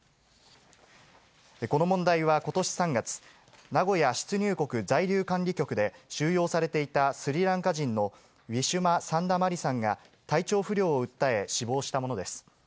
この問題は、ことし３月、名古屋出入国在留管理局で収容されていたスリランカ人のウィシュマ・サンダマリさんが、体調不良を訴え、死亡したものです。